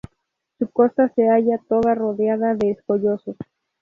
Su costa se halla toda rodeada de escollos.